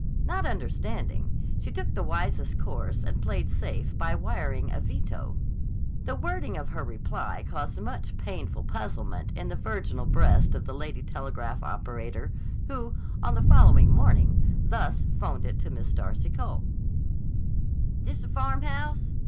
Not understanding, she took the wisest course and played safe by wiring a veto. The wording of her reply caused much painful puzzlement in the virginal breast of the lady telegraph operator who, on the following morning, thus 'phoned it to Miss Darcy Cole: "This the Farmhouse?...